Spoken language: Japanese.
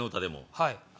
はい。